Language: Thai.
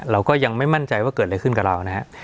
เราก็ยังไม่มั่นใจว่าเกิดอะไรขึ้นกับเรานะครับ